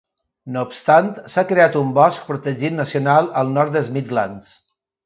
No obstant, s'ha creat un bosc protegit nacional al nord dels Midlands.